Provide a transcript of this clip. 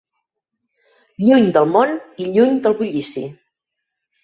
Lluny del món i lluny del bullici